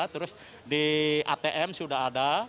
terus di atm sudah ada